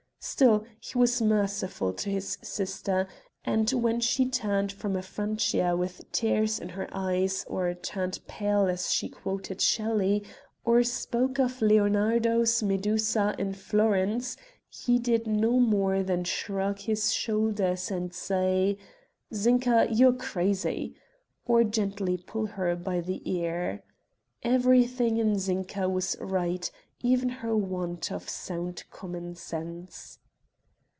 Still he was merciful to his sister, and when she turned from a Francia with tears in her eyes, or turned pale as she quoted Shelley, or spoke of Leonardo's Medusa in Florence, he did no more than shrug his shoulders and say: "Zinka, you are crazy," or gently pull her by the ear. Everything in Zinka was right, even her want of sound common sense.